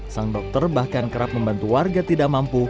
sang dokter bahkan kerap membantu warga tidak mampu